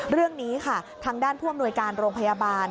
เรื่องนี้ค่ะทางด้านผู้อำนวยการโรงพยาบาล